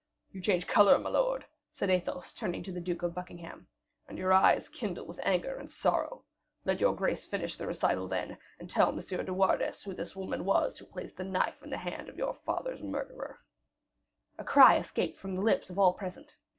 You change color, my lord," said Athos, turning to the Duke of Buckingham, "and your eyes kindle with anger and sorrow. Let your Grace finish the recital, then, and tell M. de Wardes who this woman was who placed the knife in the hand of your father's murderer." A cry escaped from the lips of all present.